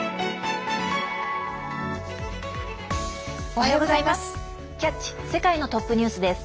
おはようございます。